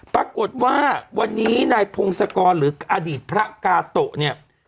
ปรากฏว่าวันนี้นายพงศกรหรืออดีตพระกาโตะเนี่ย